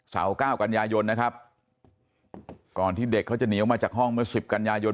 เสา๙กัญญายนนะครับก่อนที่เด็กเขาจะเหนียวมาจากห้อง๑๐กัญญายน